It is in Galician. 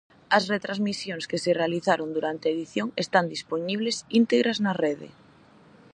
As retransmisións que se realizaron durante a edición están dispoñibles íntegras na rede.